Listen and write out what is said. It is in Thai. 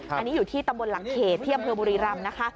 อันนี้อยู่ที่ตำบลหลังเขตที่อำเภอบุรีรำนะคะ